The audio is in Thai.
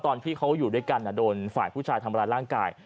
ตอนที่เขาอยู่ด้วยกันโดนฝ่ายผู้ชายทำร้ายร่างกาย